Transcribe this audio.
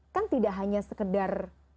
kan tidak hanya sekedar